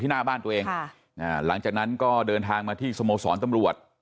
หน้าบ้านตัวเองค่ะอ่าหลังจากนั้นก็เดินทางมาที่สโมสรตำรวจ